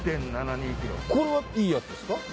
これはいいやつですか？